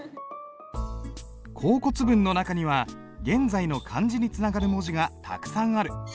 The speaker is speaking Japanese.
甲骨文の中には現在の漢字につながる文字がたくさんある。